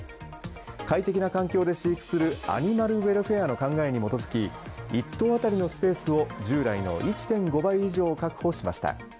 快適な環境で飼育するアニマルウェルフェアの考えに基づき１頭当たりのスペースを従来の１．５倍以上確保しました。